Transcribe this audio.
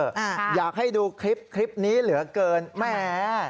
อ่าอยากให้ดูคลิปคลิปนี้เหลือเกินแหม